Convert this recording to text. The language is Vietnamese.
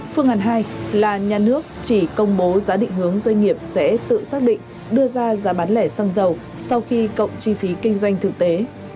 phương án hai là nhà nước chỉ công bố giá định hướng doanh nghiệp sẽ tự xác định đưa ra giá bán lẻ xăng dầu sau khi cộng chi phí kinh doanh thực tế